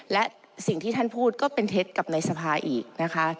และสิ่งที่ท่านพูดก็เป็นเท็จกับในสภาอีกนะคะ